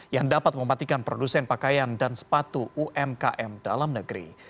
yang dapat mematikan produsen pakaian dan sepatu umkm dalam negeri